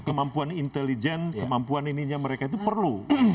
kemampuan intelijen kemampuan ininya mereka itu perlu